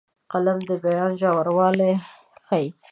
قلم د بیان ژوروالی ښيي